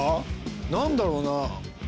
何だろうな？